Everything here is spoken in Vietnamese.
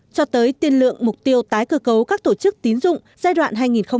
cho tới tiên lượng mục tiêu tái cơ cấu các tổ chức tín dụng giai đoạn hai nghìn một mươi sáu hai nghìn hai mươi